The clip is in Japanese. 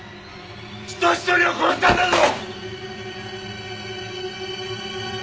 人ひとりを殺したんだぞ！！